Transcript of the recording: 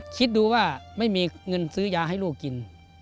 คิดดูว่าไม่มีเงินซื้อยาให้ลูกกิน